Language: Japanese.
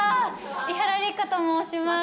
伊原六花と申します。